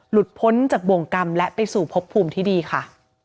หลุดพ้นจากบ่งกำและไปสู่พบภูมิที่ดีค่ะ